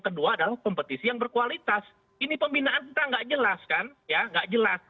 kedua adalah kompetisi yang berkualitas ini pembinaan kita nggak jelas kan ya nggak jelas